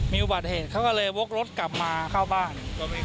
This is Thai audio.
มีอุบัติเหตุเขาก็เลยวกรถกลับมาเข้าบ้าน